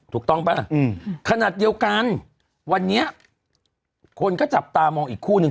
ถูกต้องป่ะขนาดเดียวกันวันนี้คนก็จับตามองอีกคู่นึง